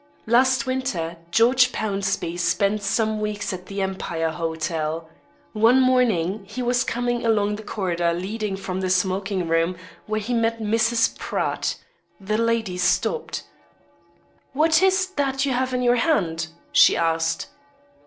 Last winter George Pownceby spent some weeks at the Empire Hotel. One morning he was coming along the corridor leading from the smoking room when he met Mrs. Pratt. The lady stopped. "What is that you have in your hand?" she asked.